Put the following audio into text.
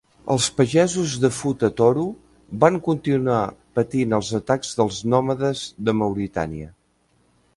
Els pagesos de Futa Toro van continuar patint els atacs dels nòmades de Mauritània.